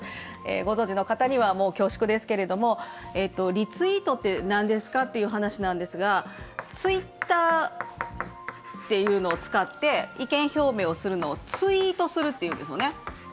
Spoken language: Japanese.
ご存じの方には恐縮ですけれども、リツイートって何ですかという話ですけど、Ｔｗｉｔｔｅｒっていうのを使って意見表明するのをツイートするというんですよね。